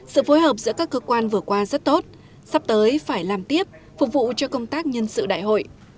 sự phối hợp giữa các cơ quan vừa qua rất tốt sắp tới phải làm tiếp phục vụ cho công tác nhân sự đại hội